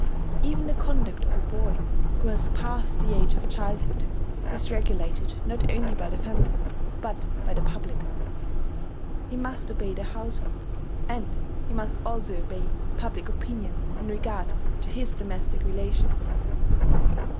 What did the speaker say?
Even the conduct of a boy, who has passed the age of childhood, is regulated not only by the family, but by the public. He must obey the household; and he must also obey public opinion in regard to his domestic relations.